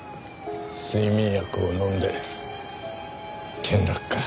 睡眠薬を飲んで転落か。